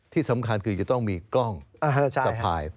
ที่สำคัญคือจะต้องมีกล้องสะพาย